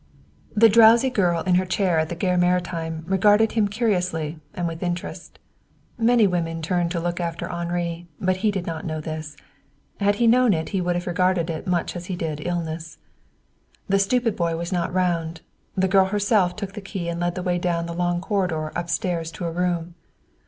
The drowsy girl in her chair at the Gare Maritime regarded him curiously and with interest. Many women turned to look after Henri, but he did not know this. Had he known it he would have regarded it much as he did illness. The stupid boy was not round. The girl herself took the key and led the way down the long corridor upstairs to a room.